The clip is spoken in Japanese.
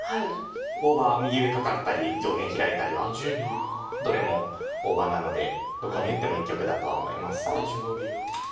大場右上カカったり上辺ヒラいたりはどれも大場なのでどこに打っても一局だとは思います。